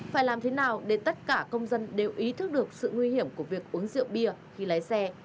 phải làm thế nào để tất cả công dân đều ý thức được sự nguy hiểm của việc uống rượu bia khi lái xe